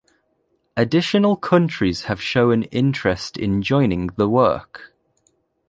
Additional countries have shown interest in joining the work.